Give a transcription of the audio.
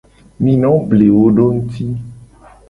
Mi no ble wo do nguti.